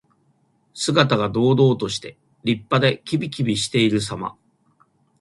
姿が堂々として、立派で、きびきびしているさま。